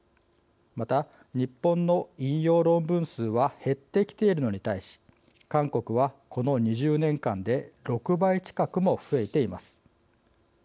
また、日本の引用論文数は減ってきているのに対し韓国はこの２０年間で６倍近くも増えています。